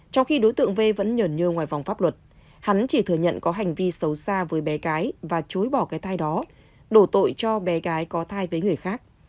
trong khi đối tượng v vẫn nhờn nhơ ngoài vòng pháp luật hắn chỉ thừa nhận có hành vi xấu xa với bé cái và chối bỏ cái thai đó đổ tội cho bé gái có thai với người khác